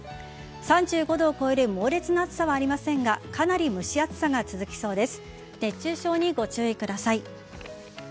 ３５度を超える猛烈な暑さはありませんがかなり蒸し暑さが続きそうです。